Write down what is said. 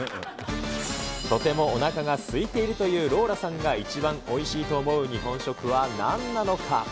とてもおなかがすいているというローラさんが一番おいしいと思う日本食はなんなのか。